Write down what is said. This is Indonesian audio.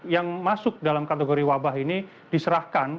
yang masuk dalam kategori wabah ini diserahkan